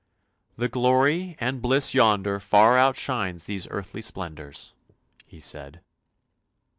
"The glory and bliss yonder, far outshines these earthly splendours," he said.